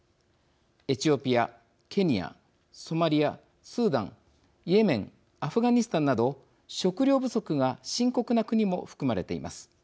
エチオピア、ケニアソマリア、スーダンイエメン、アフガニスタンなど食料不足が深刻な国も含まれています。